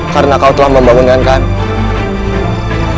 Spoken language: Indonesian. karena kau telah membangunkan kami